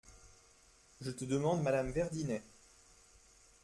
Je te demande madame Verdinet…